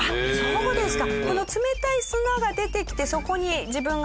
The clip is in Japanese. そうですね。